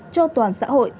cho toàn xã hội